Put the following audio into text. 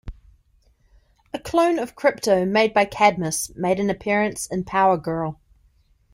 A clone of Krypto made by Cadmus made an appearance in "Power Girl".